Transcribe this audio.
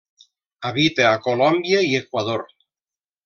Habita a Colòmbia i Equador.